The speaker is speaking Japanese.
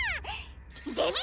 デビ！